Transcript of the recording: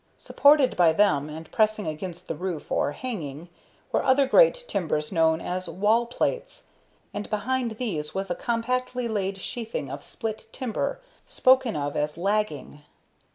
Supported by them, and pressing against the roof or "hanging," were other great timbers known as "wall plates," and behind these was a compactly laid sheathing of split timber spoken of as "lagging."